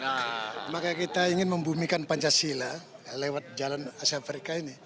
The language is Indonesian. nah maka kita ingin membumikan pancasila lewat jalan asia afrika ini